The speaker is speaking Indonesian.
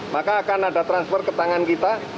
maka akan ada transfer ke tangan kita